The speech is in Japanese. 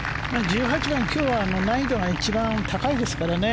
１８番、今日は難易度が一番高いですからね。